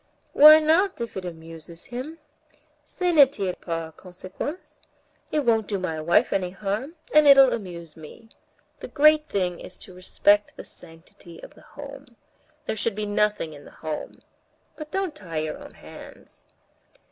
"Why not, if it amuses him? Ça ne tire pas à conséquence. It won't do my wife any harm, and it'll amuse me. The great thing is to respect the sanctity of the home. There should be nothing in the home. But don't tie your own hands."